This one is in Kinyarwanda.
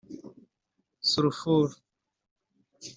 sulfur